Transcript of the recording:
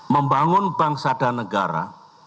membangun bangsa dan negara